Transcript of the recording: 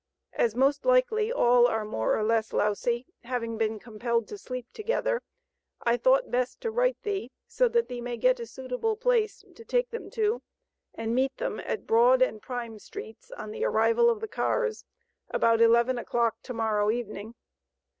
As most likely all are more or less lousy, having been compelled to sleep together, I thought best to write thee so that thee may get a suitable place to take them to, and meet them at Broad and Prime streets on the arrival of the cars, about 11 o'clock to morrow evening.